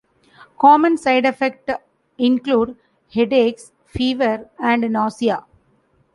Common side effects include headaches, fever, and nausea.